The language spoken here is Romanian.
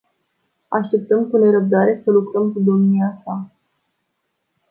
Așteptăm cu nerăbdare să lucrăm cu domnia sa.